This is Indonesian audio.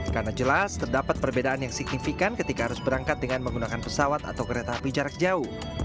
karena jelas terdapat perbedaan yang signifikan ketika harus berangkat dengan menggunakan pesawat atau kereta api jarak jauh